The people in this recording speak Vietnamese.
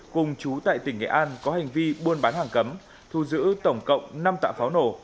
cùng chú tại tỉnh nghệ an có hành vi buôn bán hàng cấm thu giữ tổng cộng năm tạ pháo nổ